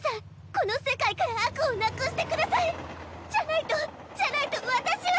この世界から悪をなくしてください！じゃないとじゃないと私は。